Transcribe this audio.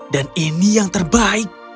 dan ini yang terbaik